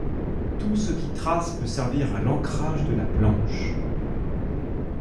Tout ce qui trace peut servir a l'encrage de la planche.